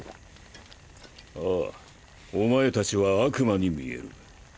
あぁお前たちは悪魔に見える。